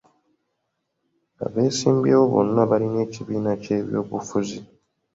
Abeesimbyewo bonna balina ekibiina ky'eby'obufuzi.